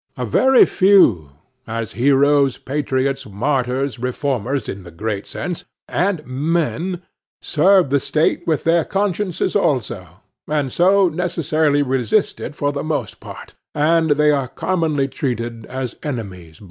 A very few, as heroes, patriots, martyrs, reformers in the great sense, and men, serve the State with their consciences also, and so necessarily resist it for the most part; and they are commonly treated by it as enemies.